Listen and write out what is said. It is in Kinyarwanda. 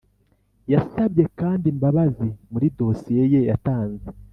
yasabye kandi imbabazi muri dosiye ye yatanze.